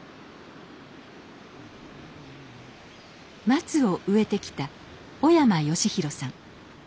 松を植えてきた小山芳弘さん。